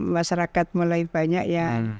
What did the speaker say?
masyarakat mulai banyak ya